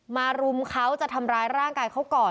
รุมเขาจะทำร้ายร่างกายเขาก่อน